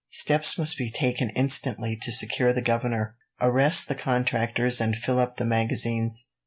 Steps must be taken instantly to secure the governor, arrest the contractors, and fill up the magazines.